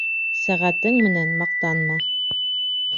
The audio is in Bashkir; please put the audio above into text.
Сәғәтең менән маҡтанма